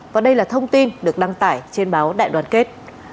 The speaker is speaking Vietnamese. và đây là thông tin được đăng tải trên báo đại đoàn kết